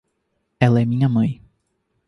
Ela é minha mãe.